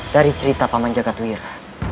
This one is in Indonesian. dari cerita paman jagat wira